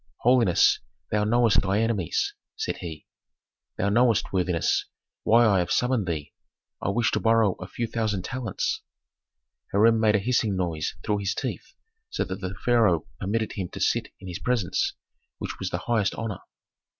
"Holiness, thou knowest thy enemies," said he. "Thou knowest, worthiness, why I have summoned thee. I wish to borrow a few thousand talents." Hiram made a hissing noise through his teeth, so that the pharaoh permitted him to sit in his presence, which was the highest honor.